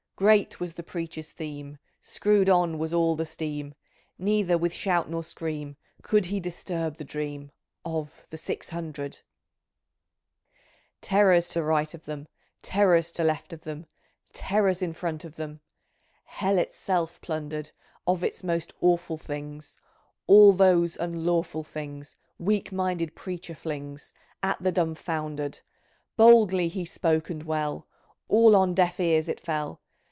Great was the preacher's theme ; Screw'd on was all the steam ; Neither with shout nor scream Could he disturb the dream Of the Six Hundred ! Terrors to right of them ! Tenors to left of them I Terrors in front of them !. Hell itself plundered ! Of its most awful things, All those unlawful things, Weak minded preacher flings At the dumb founder'd I Boldly bespoke, and well, All on deaf ears it fell.